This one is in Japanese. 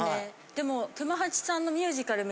でも。